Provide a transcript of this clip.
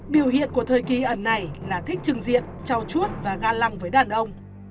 biểu hiện của thời kỳ ẩn này là thích trừng diện trao chuốt và ga lăng với đàn ông